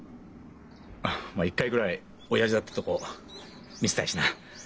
まあ一回ぐらい親父だってとこ見せたいしな。